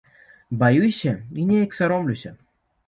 Баюся і неяк саромлюся.